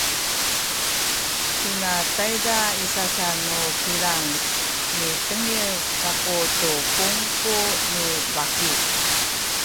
hina tayza i sasa nu kilang mitengil kaku tu kungku ni baki